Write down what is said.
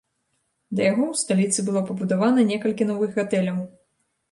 Да яго ў сталіцы было пабудавана некалькі новых гатэляў.